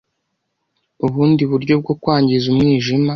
Ubundi buryo bwo kwangiza umwijima